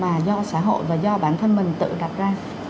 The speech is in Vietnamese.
mà do xã hội và do bản thân mình tự đặt ra